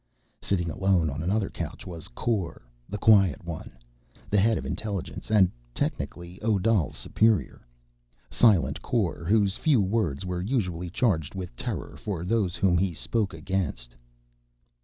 Sitting alone on another couch was Kor, the quiet one, the head of Intelligence, and—technically—Odal's superior. Silent Kor, whose few words were usually charged with terror for those whom he spoke against.